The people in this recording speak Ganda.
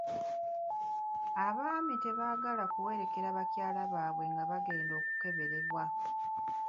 Abaami tebaagala kuwerekera bakyala baabwe nga bagenda okukeberebwa.